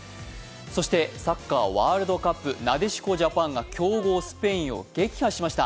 そしてサッカーワールドカップ、なでしこジャパンが強豪スペインを撃破しました。